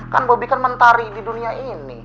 kan bobi kan mentari di dunia ini